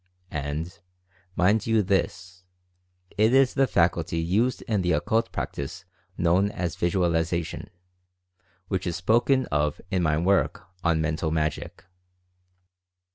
And, mind you this, it is the faculty used in the Occult practice known as "Visualization," which is spoken of in my work on "Mental Magic."